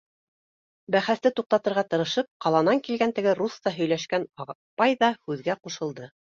— Бәхәсте туҡтатырға тырышып, ҡаланан килгән теге русса һөйләшкән апай ҙа һүҙгә ҡушылды.